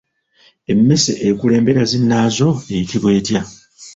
Emmese ekulembera zinnaazo eyitibwa etya?